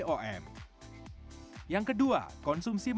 konsumsi makanan sehat atau berkualitas hidup yang lebih baik untuk kulit kita